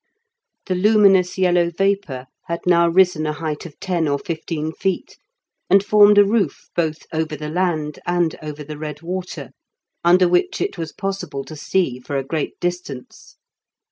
The luminous yellow vapour had now risen a height of ten or fifteen feet, and formed a roof both over the land and over the red water, under which it was possible to see for a great distance.